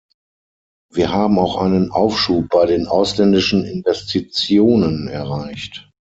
Wir haben auch einen Aufschub bei den ausländischen Investitionen erreicht.